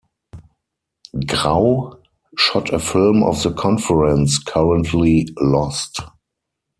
Grau shot a film of the conference, currently lost.